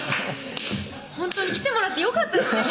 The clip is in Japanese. ほんとに来てもらってよかったですね